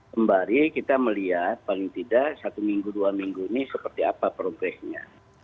kembali kita melihat paling tidak satu minggu dua minggu ini seperti apa progresnya